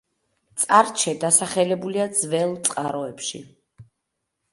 წარჩე დასახელებულია ძველ წყაროებში.